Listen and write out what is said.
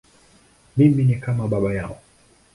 Mimi ni kama baba yao.